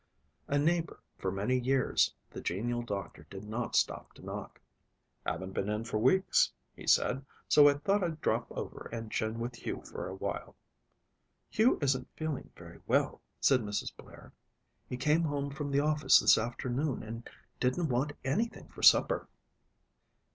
A neighbor for many years, the genial doctor did not stop to knock. "Haven't been in for weeks," he said, "so thought I'd drop over and chin with Hugh for a while." "Hugh isn't feeling very well," said Mrs. Blair. "He came home from the office this afternoon and didn't want anything for supper."